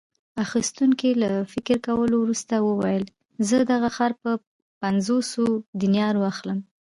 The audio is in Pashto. اخیستونکي له فکر کولو وروسته وویل: زه دغه خر په پنځوسو دینارو اخلم.